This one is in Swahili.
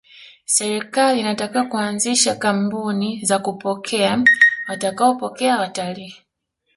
serikali inatakiwa kuanzisha kambuni za kupokea watapokea watalii